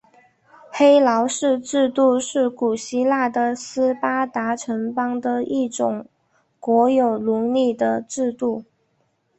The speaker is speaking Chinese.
黑劳士制度是古希腊的斯巴达城邦的一种国有奴隶的制度。